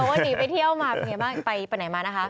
คนหนีไปเที่ยวมาไปไหนมานะคะ